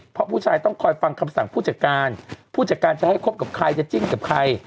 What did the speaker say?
เพราะผู้ชายต้องคอยฟังคำสั่งผู้จัดการผู้จัดการจะให้คบกับใครจะจิ้นกับใคร